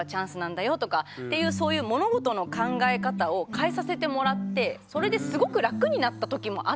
そういう物事の考え方を変えさせてもらってそれですごく楽になった時もあったんですよね。